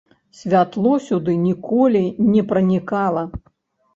Святло сюды ніколі не пранікала.